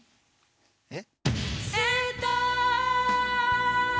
えっ？